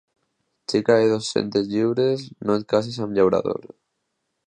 Xica de dos-centes lliures, no et cases amb llaurador.